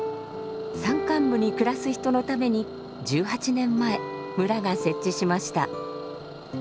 山間部に暮らす人のために１８年前村が設置しました。